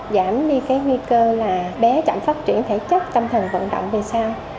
giảm đi cái nguy cơ là bé chậm phát triển thể chất tâm thần vận động về sau